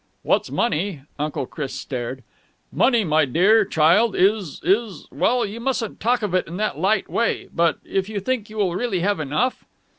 "What's money?" Uncle Chris stared. "Money, my dear child, is ... is ... well, you mustn't talk of it in that light way. But, if you think you will really have enough...?"